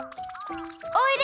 おいで！